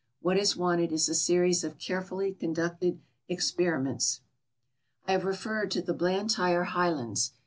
What is wanted is a series of care fully conducted experiments. I have referred to the Blantyre highlands.